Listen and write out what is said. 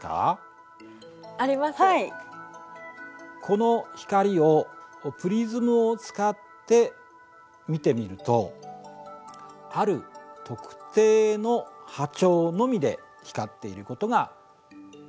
この光をプリズムを使って見てみるとある特定の波長のみで光っていることが確認できます。